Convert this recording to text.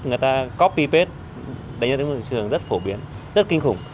người ta copy paste đánh giá tác động môi trường rất phổ biến rất kinh khủng